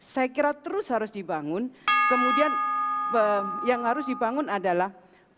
saya kira terus harus dibangun kemudian yang harus dibangun adalah